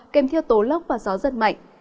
kèm theo tố lốc và gió rất mạnh